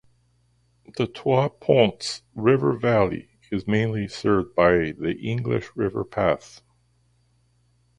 The Trois Pointes river valley is mainly served by the English river path.